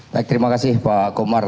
baik terima kasih pak komar